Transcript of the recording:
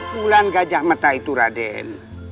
bulan gajah mata itu raden